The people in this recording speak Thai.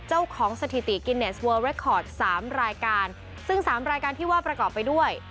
สถิติกินเนสเวอร์เรคคอร์ดสามรายการซึ่งสามรายการที่ว่าประกอบไปด้วย